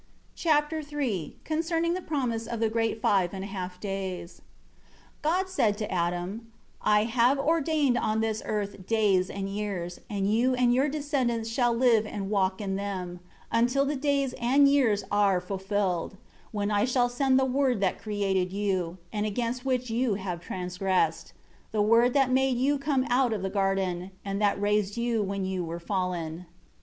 Chapter III Concerning the promise of the great five and a half days. 1 God said to Adam, "I have ordained on this earth days and years, and you and your descendants shall live and walk in them, until the days and years are fulfilled; when I shall send the Word that created you, and against which you have transgressed, the Word that made you come out of the garden, and that raised you when you were fallen.